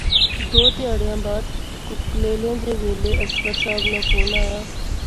ددو تہاڑیاں بعد کوئی کلیلیں جے ویلے اصغر صاحب ناں فوں آیا